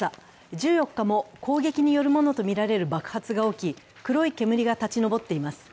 １４日も攻撃によるものとみられる爆発が起き、黒い煙が立ち上っています。